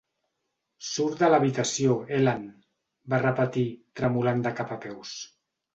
"Surt de l'habitació, Ellen!", Va repetir, tremolant de cap a peus.